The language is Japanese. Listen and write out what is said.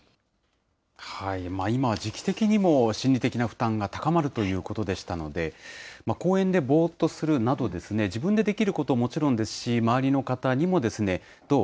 今は時期的にも心理的な負担が高まるということでしたので、公園でぼーっとするなど、自分でできることはもちろんですし、周りの方にも、どう？